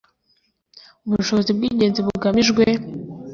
ubushobozi bw’ingenzi bugamijwe: